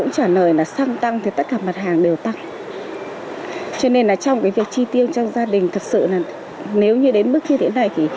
cho nên là trong cái việc chi tiêu trong gia đình thật sự là nếu như đến mức như thế này thì